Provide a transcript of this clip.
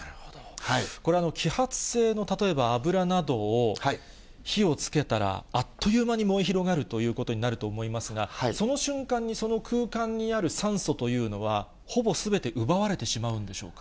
これは揮発性の、例えば油などを、火をつけたら、あっという間に燃え広がるということになると思いますが、その瞬間にその空間にある酸素というのは、ほぼすべて奪われてしまうんでしょうか。